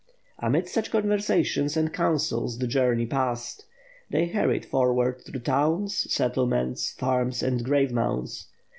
'* Amid such conversations and counsels, the journey passed. They hurried forward through towns, settlements, farms, and grave mounds.